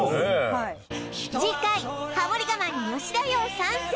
はい次回ハモリ我慢に吉田羊参戦